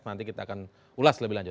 nanti kita akan ulas lebih lanjut